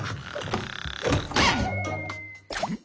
ん？